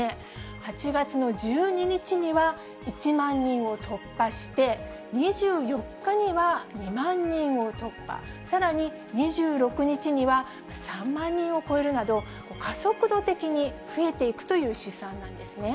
８月の１２日には、１万人を突破して、２４日には２万人を突破、さらに２６日には３万人を超えるなど、加速度的に増えていくという試算なんですね。